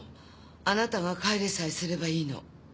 あなたが帰りさえすればいいの。